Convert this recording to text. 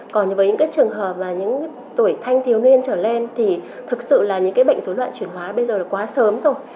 còn với những cái trường hợp mà những tuổi thanh thiếu niên trở lên thì thực sự là những cái bệnh dối loạn chuyển hóa bây giờ là quá sớm rồi